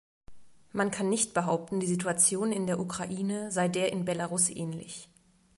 Man kann nicht behaupten, die Situation in der Ukraine sei der in Belarus ähnlich.